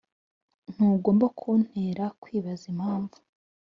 ntugomba kuntera kwibaza impamvu.